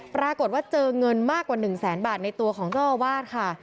ปรากฏว่าเจอเงินมากกว่า๑แสนบาทในตัวของเจ้าอาวาสค่ะ